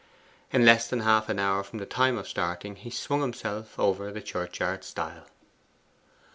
In less than half an hour from the time of starting he swung himself over the churchyard stile.